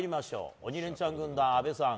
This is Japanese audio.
「鬼レンチャン」軍団、阿部さん